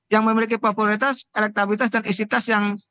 yang memiliki popularitas elektabilitas dan esitas